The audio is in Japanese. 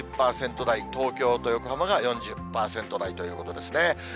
３０％台、東京と横浜が４０％台ということですね。